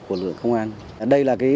của lượng công an đây là